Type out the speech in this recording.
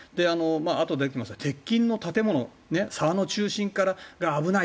あとで出てきますが鉄筋の建物沢の中心が危ない